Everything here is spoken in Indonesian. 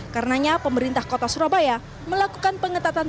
karenanya pemerintah kota surabaya melakukan pengetatan